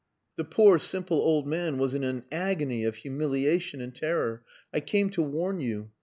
The poor, simple old man was in an agony of humiliation and terror. "I came to warn you.